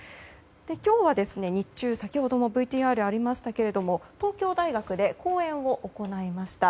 今日は日中先ほどもＶＴＲがありましたが東京大学で講演を行いました。